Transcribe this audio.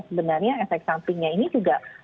sebenarnya efek sampingnya ini juga